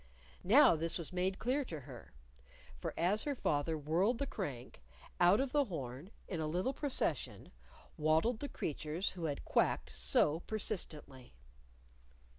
Now this was made clear to her. For as her father whirled the crank, out of the horn, in a little procession, waddled the creatures who had quacked so persistently.